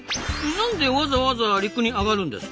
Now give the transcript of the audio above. なんでわざわざ陸に上がるんですか？